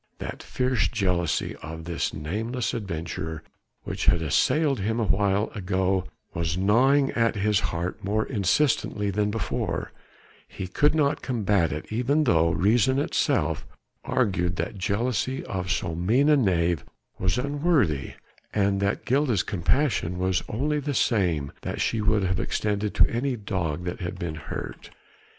That fierce jealousy of this nameless adventurer which had assailed him awhile ago was gnawing at his heart more insistently than before; he could not combat it, even though reason itself argued that jealousy of so mean a knave was unworthy, and that Gilda's compassion was only the same that she would have extended to any dog that had been hurt.